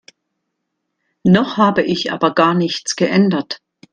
Noch habe ich aber gar nichts geändert.